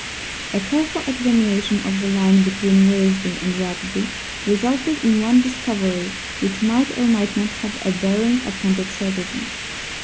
A careful examination of the line between Willesden and Rugby resulted in one discovery which might or might not have a bearing upon the tragedy.